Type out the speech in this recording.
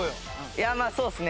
いやまあそうですね。